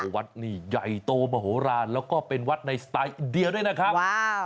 วัดนี้ใหญ่โตมโหลานแล้วก็เป็นวัดในสไตล์อินเดียด้วยนะครับ